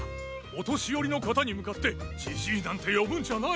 お年寄りの方に向かってじじいなんて呼ぶんじゃない。